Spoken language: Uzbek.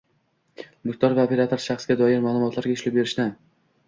Mulkdor va operator shaxsga doir ma’lumotlarga ishlov berishni